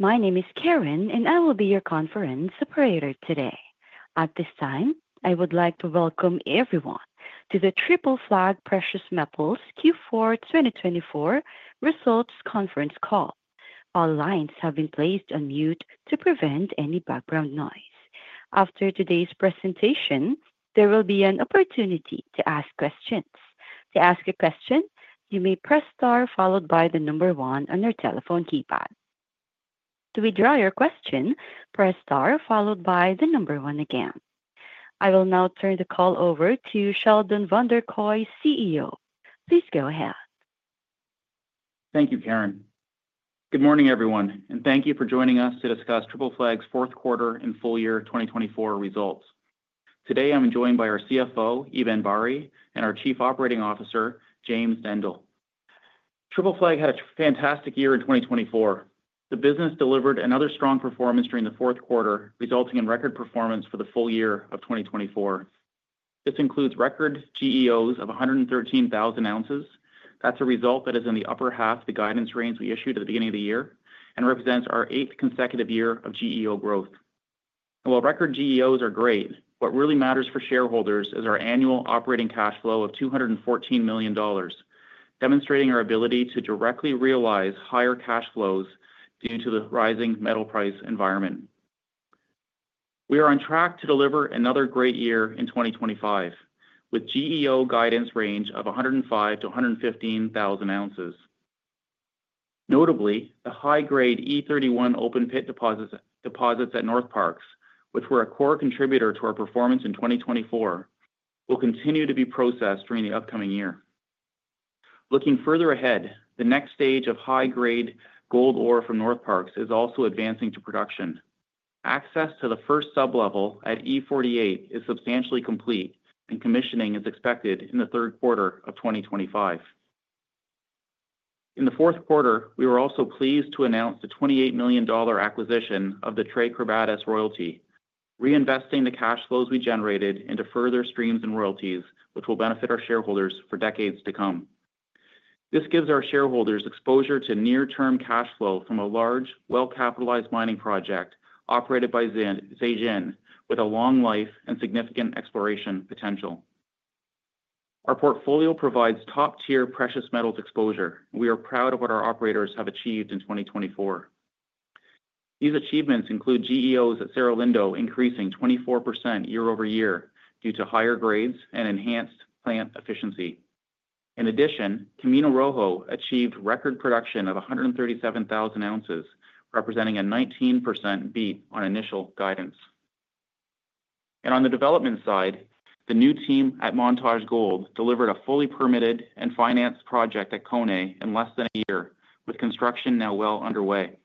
My name is Karen, and I will be your conference operator today. At this time, I would like to welcome everyone to the Triple Flag Precious Metals Q4 2024 Results Conference Call. All lines have been placed on mute to prevent any background noise. After today's presentation, there will be an opportunity to ask questions. To ask a question, you may press star followed by the number one on your telephone keypad. To withdraw your question, press star followed by the number one again. I will now turn the call over to Sheldon Vanderkooy, CEO. Please go ahead. Thank you, Karen. Good morning, everyone, and thank you for joining us to discuss Triple Flag's Fourth Quarter and Full Year 2024 results. Today, I'm joined by our CFO, Eban Bari, and our Chief Operating Officer, James Dendle. Triple Flag had a fantastic year in 2024. The business delivered another strong performance during the fourth quarter, resulting in record performance for the full year of 2024. This includes record GEOs of 113,000 ounces. That's a result that is in the upper half of the guidance range we issued at the beginning of the year and represents our eighth consecutive year of GEO growth. While record GEOs are great, what really matters for shareholders is our annual operating cash flow of $214 million, demonstrating our ability to directly realize higher cash flows due to the rising metal price environment. We are on track to deliver another great year in 2025 with GEO guidance range of 105,000 ounces-115,000 ounces. Notably, the high-grade E31 open pit deposits at Northparkes, which were a core contributor to our performance in 2024, will continue to be processed during the upcoming year. Looking further ahead, the next stage of high-grade gold ore from Northparkes is also advancing to production. Access to the first sublevel at E48 is substantially complete, and commissioning is expected in the third quarter of 2025. In the fourth quarter, we were also pleased to announce the $28 million acquisition of the Tres Quebradas Royalty, reinvesting the cash flows we generated into further streams and royalties, which will benefit our shareholders for decades to come. This gives our shareholders exposure to near-term cash flow from a large, well-capitalized mining project operated by Zijin, with a long life and significant exploration potential. Our portfolio provides top-tier precious metals exposure, and we are proud of what our operators have achieved in 2024. These achievements include GEOs at Cerro Lindo, increasing 24% year over year due to higher grades and enhanced plant efficiency. In addition, Camino Rojo achieved record production of 137,000 ounces, representing a 19% beat on initial guidance, and on the development side, the new team at Montage Gold delivered a fully permitted and financed project at Koné in less than a year, with construction now well underway.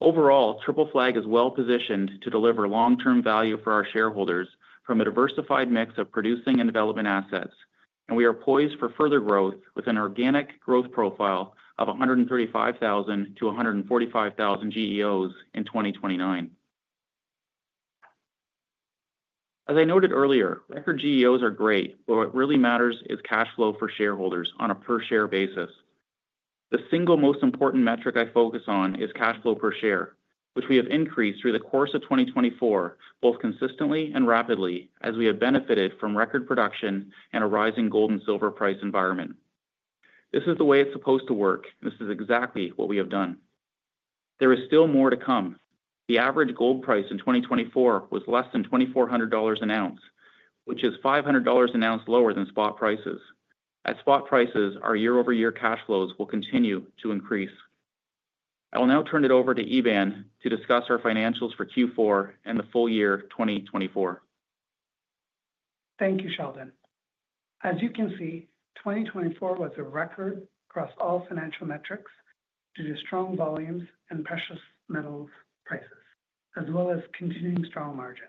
Overall, Triple Flag is well positioned to deliver long-term value for our shareholders from a diversified mix of producing and development assets, and we are poised for further growth with an organic growth profile of 135,000 GEOs-145,000 GEOs in 2029. As I noted earlier, record GEOs are great, but what really matters is cash flow for shareholders on a per-share basis. The single most important metric I focus on is cash flow per share, which we have increased through the course of 2024, both consistently and rapidly, as we have benefited from record production and a rising gold and silver price environment. This is the way it's supposed to work, and this is exactly what we have done. There is still more to come. The average gold price in 2024 was less than $2,400 an ounce, which is $500 an ounce lower than spot prices. At spot prices, our year-over-year cash flows will continue to increase. I will now turn it over to Eban to discuss our financials for Q4 and the full year 2024. Thank you, Sheldon. As you can see, 2024 was a record across all financial metrics due to strong volumes and precious metals prices, as well as continuing strong margins.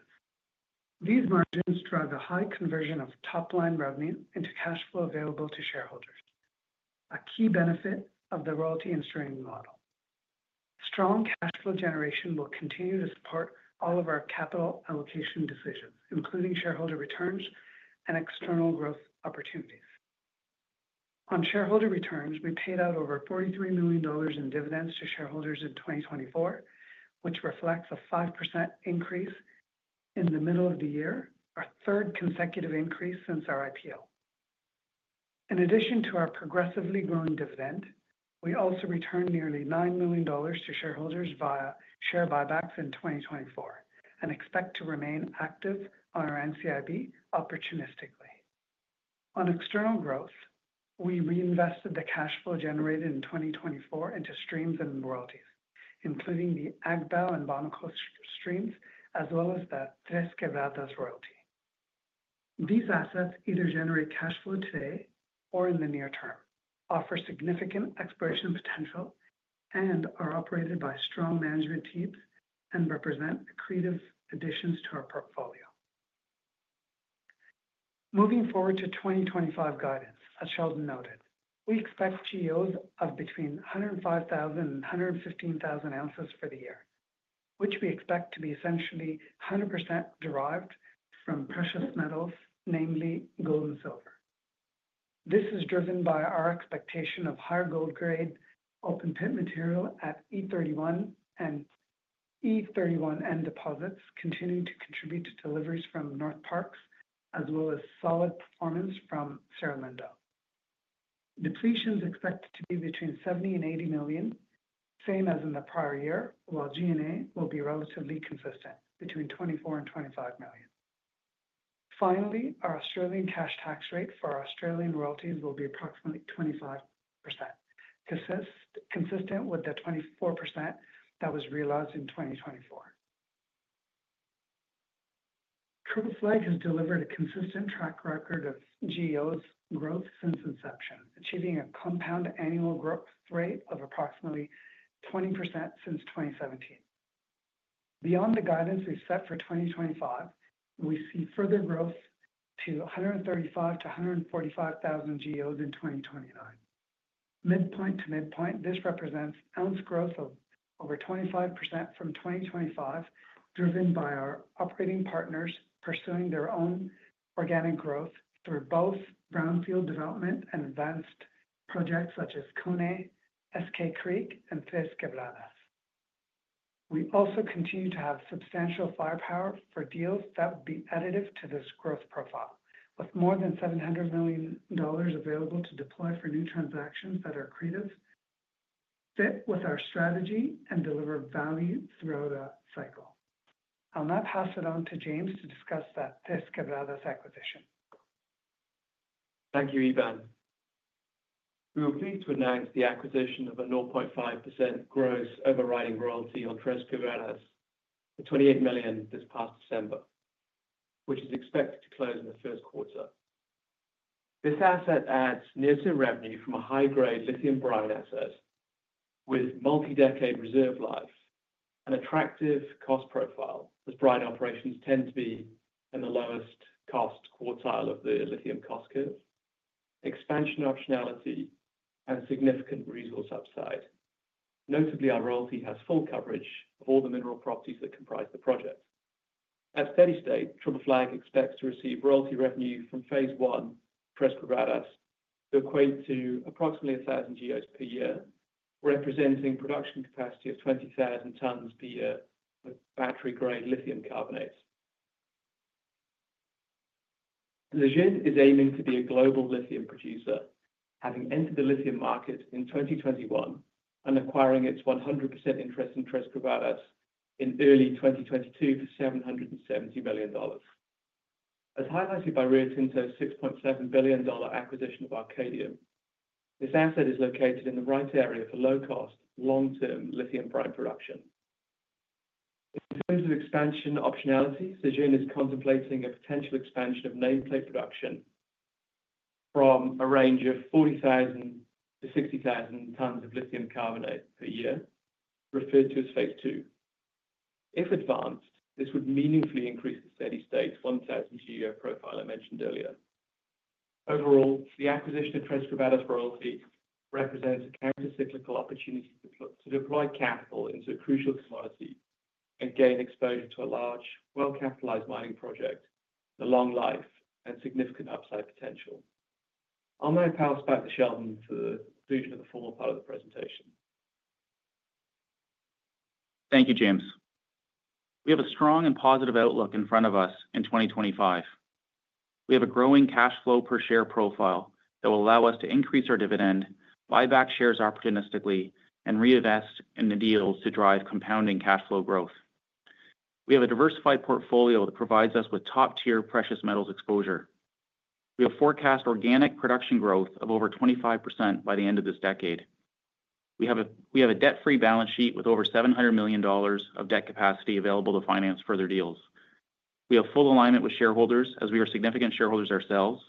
These margins drive a high conversion of top-line revenue into cash flow available to shareholders, a key benefit of the royalty and streaming model. Strong cash flow generation will continue to support all of our capital allocation decisions, including shareholder returns and external growth opportunities. On shareholder returns, we paid out over $43 million in dividends to shareholders in 2024, which reflects a 5% increase in the middle of the year, our third consecutive increase since our IPO. In addition to our progressively growing dividend, we also returned nearly $9 million to shareholders via share buybacks in 2024 and expect to remain active on our NCIB opportunistically. On external growth, we reinvested the cash flow generated in 2024 into streams and royalties, including the Agbaou and Bonikro streams, as well as the Tres Quebradas royalty. These assets either generate cash flow today or in the near term, offer significant upside potential, and are operated by strong management teams and represent accretive additions to our portfolio. Moving forward to 2025 guidance, as Sheldon noted, we expect GEOs of between 105,000 and 115,000 ounces for the year, which we expect to be essentially 100% derived from precious metals, namely gold and silver. This is driven by our expectation of higher gold-grade open pit material at E31 and E31N deposits continuing to contribute to deliveries from Northparkes, as well as solid performance from Cerro Lindo. Depletions expected to be between $70 million and $80 million, same as in the prior year, while G&A will be relatively consistent between $24 million and $25 million. Finally, our Australian cash tax rate for Australian royalties will be approximately 25%, consistent with the 24% that was realized in 2024. Triple Flag has delivered a consistent track record of GEOs growth since inception, achieving a compound annual growth rate of approximately 20% since 2017. Beyond the guidance we've set for 2025, we see further growth to 135,000 GEOs-145,000 GEOs in 2029. Midpoint to midpoint, this represents ounce growth of over 25% from 2025, driven by our operating partners pursuing their own organic growth through both brownfield development and advanced projects such as Koné, Eskay Creek, and Tres Quebradas. We also continue to have substantial firepower for deals that would be additive to this growth profile, with more than $700 million available to deploy for new transactions that are accretive, fit with our strategy, and deliver value throughout a cycle. I'll now pass it on to James to discuss that Tres Quebradas acquisition. Thank you, Eban. We were pleased to announce the acquisition of a 0.5% gross overriding royalty on Tres Quebradas, the $28 million this past December, which is expected to close in the first quarter. This asset adds near-term revenue from a high-grade lithium brine asset with multi-decade reserve life and attractive cost profile, as brine operations tend to be in the lowest cost quartile of the lithium cost curve, expansion optionality, and significant resource upside. Notably, our royalty has full coverage of all the mineral properties that comprise the project. At steady state, Triple Flag expects to receive royalty revenue from phase one Tres Quebradas to equate to approximately 1,000 GEOs per year, representing production capacity of 20,000 tons per year with battery-grade lithium carbonate. Zijin is aiming to be a global lithium producer, having entered the lithium market in 2021 and acquiring its 100% interest in Tres Quebradas in early 2022 for $770 million. As highlighted by Rio Tinto's $6.7 billion acquisition of Arcadium, this asset is located in the right area for low-cost, long-term lithium brine production. In terms of expansion optionality, Zijin is contemplating a potential expansion of nameplate production from a range of 40,000-60,000 tons of lithium carbonate per year, referred to as phase two. If advanced, this would meaningfully increase the steady state 1,000 GEO profile I mentioned earlier. Overall, the acquisition of Tres Quebradas royalty represents a countercyclical opportunity to deploy capital into a crucial commodity and gain exposure to a large, well-capitalized mining project, the long life and significant upside potential. I'll now pass back to Sheldon for the conclusion of the formal part of the presentation. Thank you, James. We have a strong and positive outlook in front of us in 2025. We have a growing cash flow per share profile that will allow us to increase our dividend, buy back shares opportunistically, and reinvest in the deals to drive compounding cash flow growth. We have a diversified portfolio that provides us with top-tier precious metals exposure. We have forecast organic production growth of over 25% by the end of this decade. We have a debt-free balance sheet with over $700 million of debt capacity available to finance further deals. We have full alignment with shareholders as we are significant shareholders ourselves.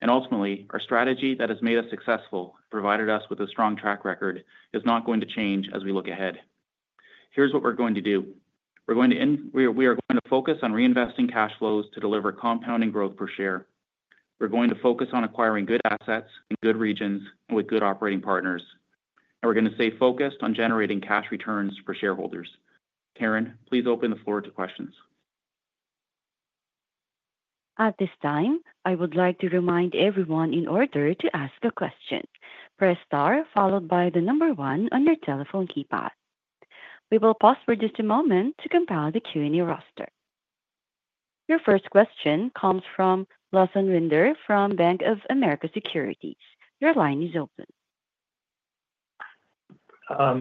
And ultimately, our strategy that has made us successful and provided us with a strong track record is not going to change as we look ahead. Here's what we're going to do. We are going to focus on reinvesting cash flows to deliver compounding growth per share. We're going to focus on acquiring good assets in good regions and with good operating partners. And we're going to stay focused on generating cash returns for shareholders. Karen, please open the floor to questions. At this time, I would like to remind everyone in order to ask a question, press star followed by the number one on your telephone keypad. We will pause for just a moment to compile the Q&A roster. Your first question comes from Lawson Winder from Bank of America Securities. Your line is open.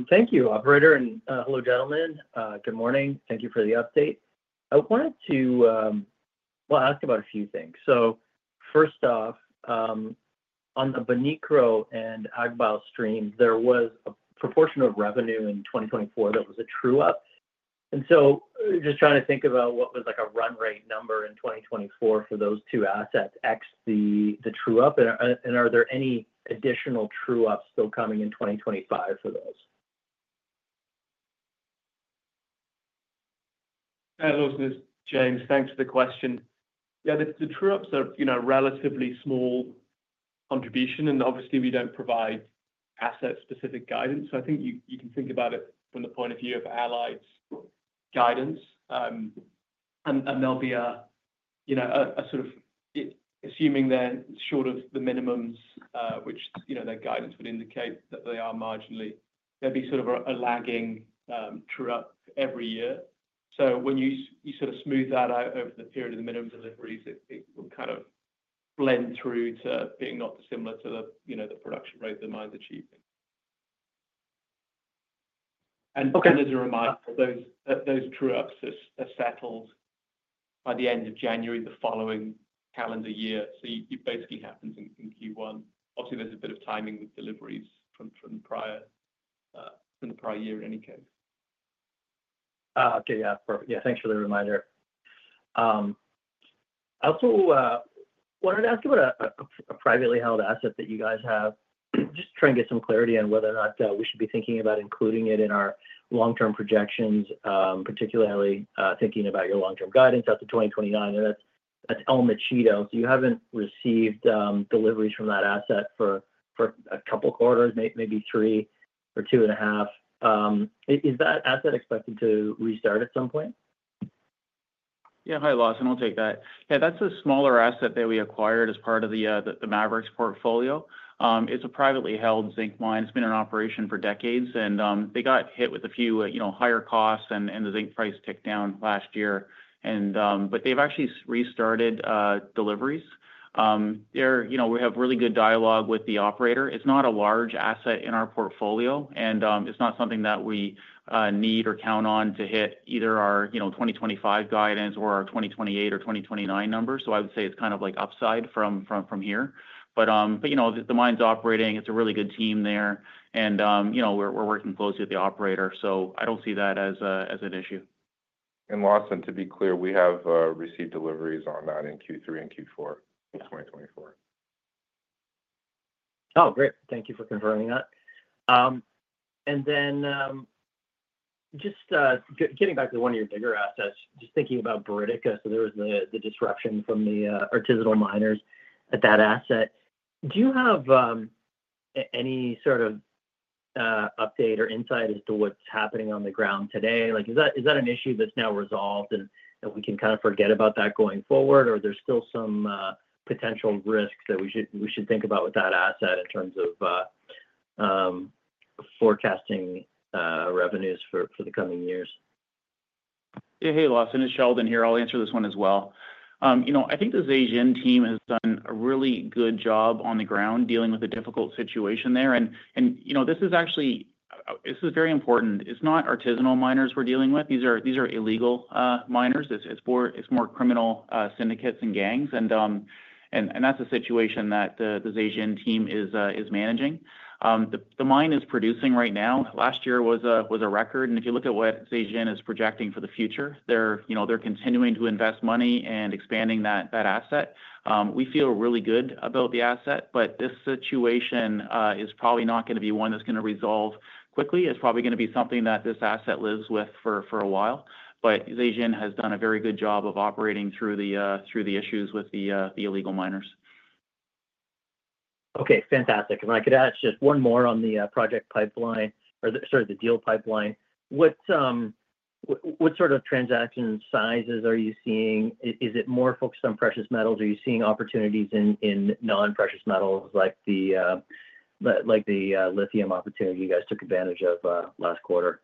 Thank you, Operator. Hello, gentlemen. Good morning. Thank you for the update. I wanted to ask about a few things. First off, on the Bonikro and Agbaou stream, there was a proportion of revenue in 2024 that was a true-up. I'm just trying to think about what the run rate number was in 2024 for those two assets ex the true-up. Are there any additional true-ups still coming in 2025 for those? Hello, James. Thanks for the question. Yeah, the true-ups are a relatively small contribution, and obviously, we don't provide asset-specific guidance. So I think you can think about it from the point of view of Allied's guidance. And there'll be a sort of assuming they're short of the minimums, which their guidance would indicate that they are marginally, there'll be sort of a lagging true-up every year. So when you sort of smooth that out over the period of the minimum deliveries, it will kind of blend through to being not dissimilar to the production rate the mines are achieving. And as a reminder, those true-ups are settled by the end of January, the following calendar year. So it basically happens in Q1. Obviously, there's a bit of timing with deliveries from the prior year in any case. Okay, yeah, perfect. Yeah, thanks for the reminder. I also wanted to ask about a privately held asset that you guys have. Just trying to get some clarity on whether or not we should be thinking about including it in our long-term projections, particularly thinking about your long-term guidance out to 2029, and that's El Mochito. So you haven't received deliveries from that asset for a couple of quarters, maybe three or two and a half. Is that asset expected to restart at some point? Yeah, hi Lawson. I'll take that. Yeah, that's a smaller asset that we acquired as part of the Maverix portfolio. It's a privately held zinc mine. It's been in operation for decades, and they got hit with a few higher costs, and the zinc price ticked down last year. But they've actually restarted deliveries. We have really good dialogue with the operator. It's not a large asset in our portfolio, and it's not something that we need or count on to hit either our 2025 guidance or our 2028 or 2029 numbers. So I would say it's kind of like upside from here. But the mine's operating. It's a really good team there, and we're working closely with the operator. So I don't see that as an issue. Lawson, to be clear, we have received deliveries on that in Q3 and Q4 in 2024. Oh, great. Thank you for confirming that. And then just getting back to one of your bigger assets, just thinking about Buriticá. So there was the disruption from the artisanal miners at that asset. Do you have any sort of update or insight as to what's happening on the ground today? Is that an issue that's now resolved and we can kind of forget about that going forward, or are there still some potential risks that we should think about with that asset in terms of forecasting revenues for the coming years? Yeah, hey, Lawson, it's Sheldon here. I'll answer this one as well. I think the Zijin team has done a really good job on the ground dealing with a difficult situation there. And this is actually very important. It's not artisanal miners we're dealing with. These are illegal miners. It's more criminal syndicates and gangs. And that's a situation that the Zijin team is managing. The mine is producing right now. Last year was a record. And if you look at what Zijin is projecting for the future, they're continuing to invest money and expanding that asset. We feel really good about the asset, but this situation is probably not going to be one that's going to resolve quickly. It's probably going to be something that this asset lives with for a while. But Zijin has done a very good job of operating through the issues with the illegal miners. Okay, fantastic. If I could ask just one more on the project pipeline or sorry, the deal pipeline. What sort of transaction sizes are you seeing? Is it more focused on precious metals? Are you seeing opportunities in non-precious metals like the lithium opportunity you guys took advantage of last quarter?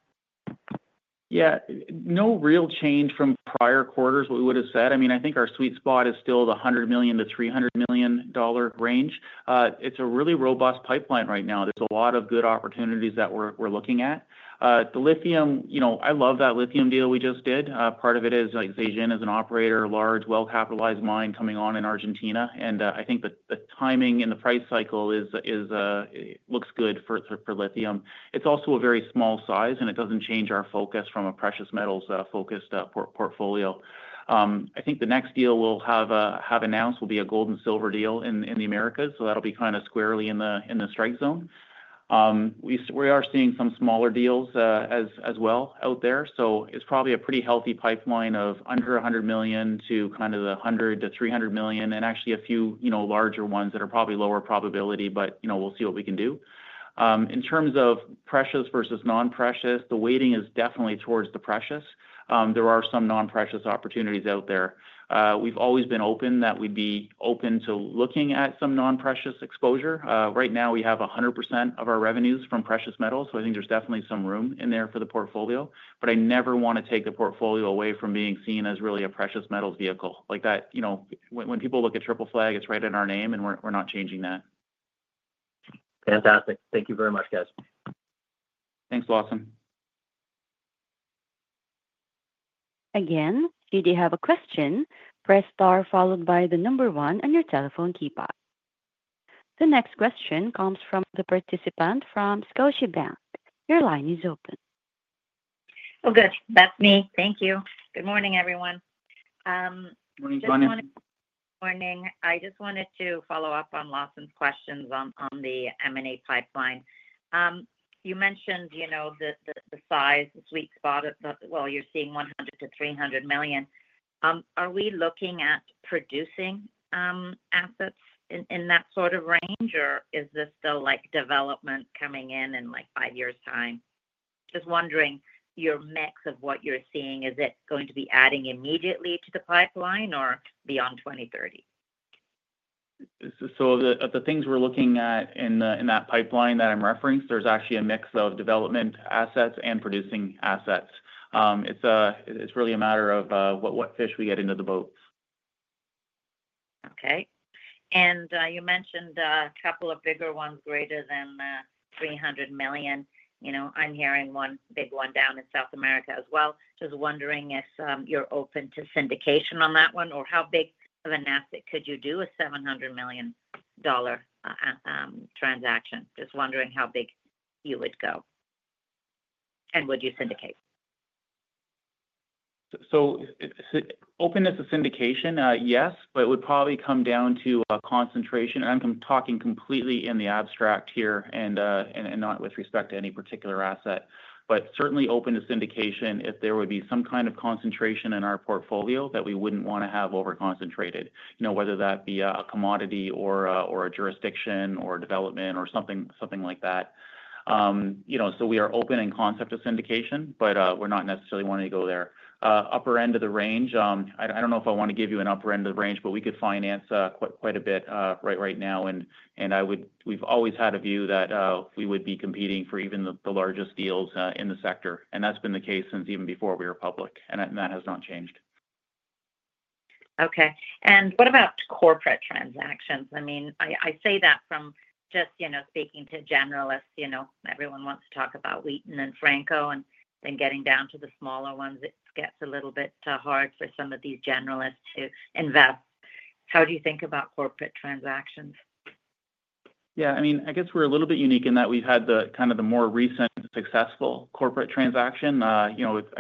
Yeah, no real change from prior quarters, what we would have said. I mean, I think our sweet spot is still the $100 million-$300 million range. It's a really robust pipeline right now. There's a lot of good opportunities that we're looking at. The lithium, I love that lithium deal we just did. Part of it is Zijin is an operator, a large, well-capitalized mine coming on in Argentina. And I think the timing and the price cycle looks good for lithium. It's also a very small size, and it doesn't change our focus from a precious metals-focused portfolio. I think the next deal we'll have announced will be a gold and silver deal in the Americas. So that'll be kind of squarely in the strike zone. We are seeing some smaller deals as well out there. So it's probably a pretty healthy pipeline of under $100 million to kind of the $100 million-$300 million, and actually a few larger ones that are probably lower probability, but we'll see what we can do. In terms of precious versus non-precious, the weighting is definitely towards the precious. There are some non-precious opportunities out there. We've always been open that we'd be open to looking at some non-precious exposure. Right now, we have 100% of our revenues from precious metals. So I think there's definitely some room in there for the portfolio. But I never want to take the portfolio away from being seen as really a precious metals vehicle. Like that, when people look at Triple Flag, it's right in our name, and we're not changing that. Fantastic. Thank you very much, guys. Thanks, Lawson. Again, if you do have a question, press star followed by the number one on your telephone keypad. The next question comes from the participant from Scotiabank. Your line is open. Oh, good. That's me. Thank you. Good morning, everyone. Morning. [inaudible] Good morning. I just wanted to follow up on Lawson's questions on the M&A pipeline. You mentioned the size, the sweet spot of, well, you're seeing $100 million-$300 million. Are we looking at producing assets in that sort of range, or is this still development coming in in five years' time? Just wondering, your mix of what you're seeing, is it going to be adding immediately to the pipeline or beyond 2030? The things we're looking at in that pipeline that I'm referring to, there's actually a mix of development assets and producing assets. It's really a matter of what fish we get into the boats. Okay. And you mentioned a couple of bigger ones greater than 300 million. I'm hearing one big one down in South America as well. Just wondering if you're open to syndication on that one, or how big of an asset could you do a $700 million transaction? Just wondering how big you would go. And would you syndicate? So openness to syndication, yes, but it would probably come down to concentration. And I'm talking completely in the abstract here and not with respect to any particular asset. But certainly open to syndication if there would be some kind of concentration in our portfolio that we wouldn't want to have overconcentrated, whether that be a commodity or a jurisdiction or development or something like that. So we are open in concept of syndication, but we're not necessarily wanting to go there. Upper end of the range, I don't know if I want to give you an upper end of the range, but we could finance quite a bit right now. And we've always had a view that we would be competing for even the largest deals in the sector. And that's been the case since even before we were public, and that has not changed. Okay. And what about corporate transactions? I mean, I say that from just speaking to generalists. Everyone wants to talk about Wheaton and Franco, and then getting down to the smaller ones, it gets a little bit hard for some of these generalists to invest. How do you think about corporate transactions? Yeah, I mean, I guess we're a little bit unique in that we've had kind of the more recent successful corporate transaction. I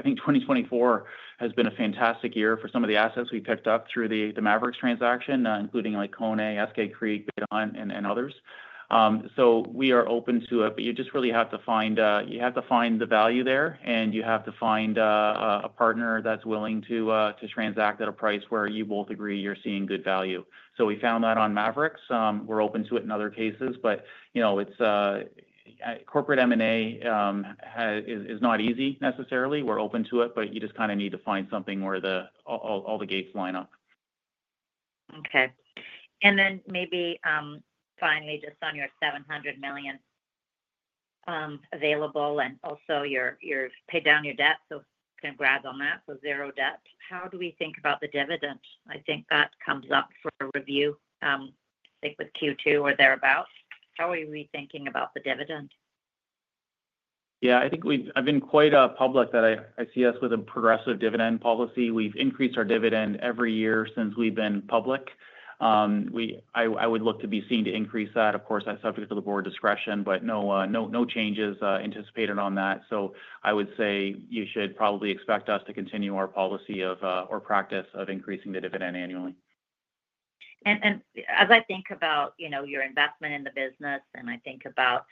think 2024 has been a fantastic year for some of the assets we picked up through the Maverix transaction, including Koné, Eskay Creek, and others. So we are open to it, but you just really have to find the value there, and you have to find a partner that's willing to transact at a price where you both agree you're seeing good value. So we found that on Maverix. We're open to it in other cases, but corporate M&A is not easy necessarily. We're open to it, but you just kind of need to find something where all the gates line up. Okay. And then maybe finally, just on your $700 million available and also you've paid down your debt, so congrats on that. So zero debt. How do we think about the dividend? I think that comes up for review, I think, with Q2 or thereabouts. How are we thinking about the dividend? Yeah, I think I've been quite public that I see us with a progressive dividend policy. We've increased our dividend every year since we've been public. I would look to be seen to increase that. Of course, that's subject to the board discretion, but no changes anticipated on that. So I would say you should probably expect us to continue our policy or practice of increasing the dividend annually. As I think about your investment in the business and I think about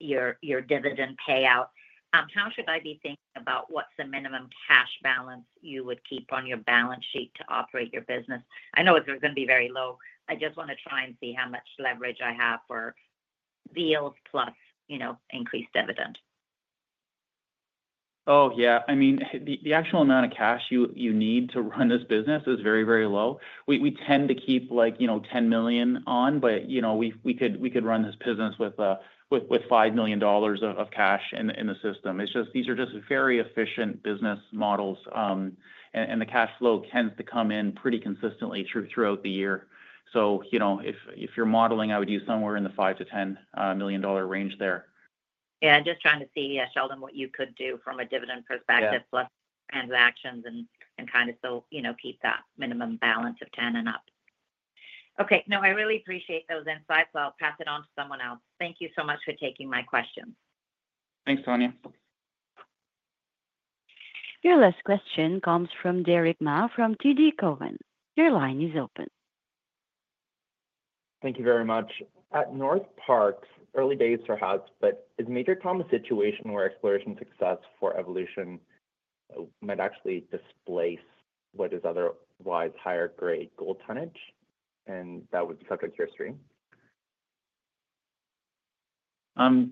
your dividend payout, how should I be thinking about what's the minimum cash balance you would keep on your balance sheet to operate your business? I know it's going to be very low. I just want to try and see how much leverage I have for deals plus increased dividend. Oh, yeah. I mean, the actual amount of cash you need to run this business is very, very low. We tend to keep $10 million on, but we could run this business with $5 million of cash in the system. It's just these are just very efficient business models, and the cash flow tends to come in pretty consistently throughout the year. So if you're modeling, I would use somewhere in the $5 million-$10 million range there. Yeah, just trying to see, Sheldon, what you could do from a dividend perspective plus transactions and kind of still keep that minimum balance of 10 and up? Okay. No, I really appreciate those insights, so I'll pass it on to someone else. Thank you so much for taking my questions. Thanks, Tanya. Your last question comes from Derick Ma from TD Cowen. Your line is open. Thank you very much. At Northparkes, early days are hot, but is Major Tom a situation where exploration success for Evolution might actually displace what is otherwise higher-grade gold tonnage? And that would be subject to your stream. Derick,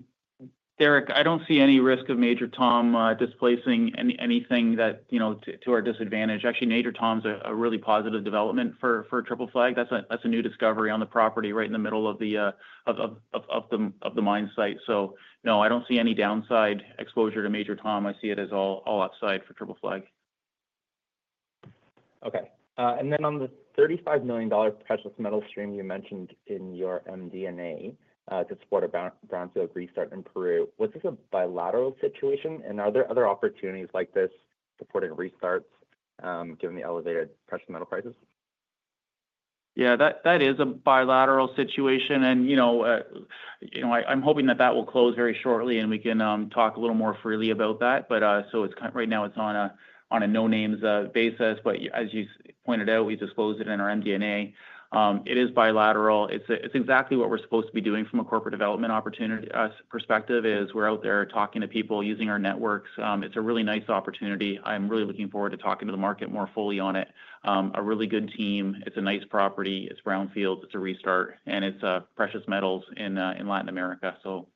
I don't see any risk of Major Tom displacing anything to our disadvantage. Actually, Major Tom is a really positive development for Triple Flag. That's a new discovery on the property right in the middle of the mine site. So no, I don't see any downside exposure to Major Tom. I see it as all upside for Triple Flag. Okay. And then on the $35 million precious metal stream you mentioned in your MD&A to support a brownfield restart in Peru, was this a bilateral situation? And are there other opportunities like this supporting restarts given the elevated precious metal prices? Yeah, that is a bilateral situation. And I'm hoping that that will close very shortly, and we can talk a little more freely about that. But so right now, it's on a no-names basis. But as you pointed out, we disclosed it in our MD&A. It is bilateral. It's exactly what we're supposed to be doing from a corporate development opportunity perspective, is we're out there talking to people using our networks. It's a really nice opportunity. I'm really looking forward to talking to the market more fully on it. A really good team. It's a nice property. It's brownfields. It's a restart. And it's precious metals in Latin America. So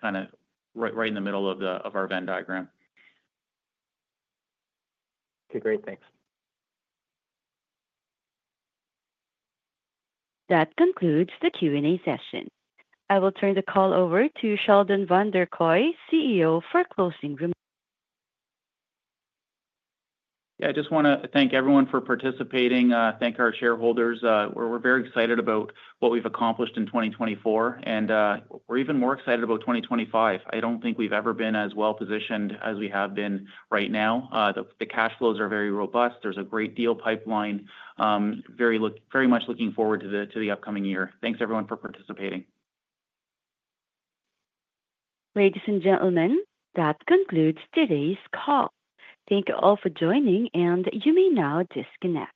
kind of right in the middle of our Venn diagram. Okay, great. Thanks. That concludes the Q&A session. I will turn the call over to Sheldon Vanderkooy, CEO, for closing remarks. Yeah, I just want to thank everyone for participating. Thank our shareholders. We're very excited about what we've accomplished in 2024, and we're even more excited about 2025. I don't think we've ever been as well-positioned as we have been right now. The cash flows are very robust. There's a great deal pipeline. Very much looking forward to the upcoming year. Thanks, everyone, for participating. Ladies and gentlemen, that concludes today's call. Thank you all for joining, and you may now disconnect.